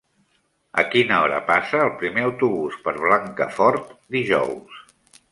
A quina hora passa el primer autobús per Blancafort dijous?